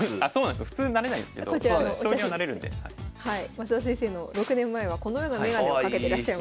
増田先生の６年前はこのような眼鏡をかけてらっしゃいました。